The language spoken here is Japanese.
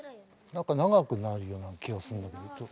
何か長くなるような気がするんだけど。